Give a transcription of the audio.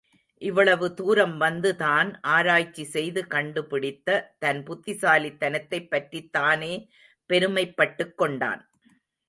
இவ்வளவு தூரம் வந்து தான் ஆராய்ச்சி செய்து கண்டுபிடித்த தன் புத்திசாலித்தனத்தைப் பற்றித் தானே பெருமைப்பட்டுக் கொண்டான்.